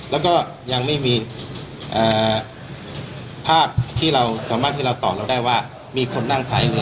แล้วก็ยังไม่มีภาพที่เราสามารถที่เราตอบเราได้ว่ามีคนนั่งท้ายเรือ